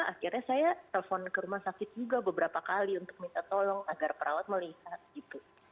akhirnya saya telepon ke rumah sakit juga beberapa kali untuk minta tolong agar perawat melihat gitu